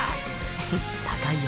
フフ高いよ